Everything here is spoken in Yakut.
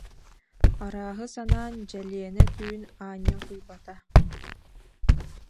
Арааһы санаан Дьэлиэнэ түүн аанньа утуйбата